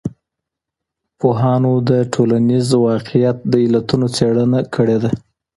پوهانو د ټولنیز واقعیت د علتونو څېړنه کړې ده.